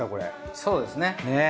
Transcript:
そうですね。